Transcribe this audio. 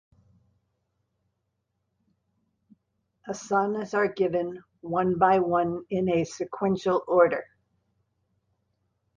Asanas are given, one by one in a sequential order.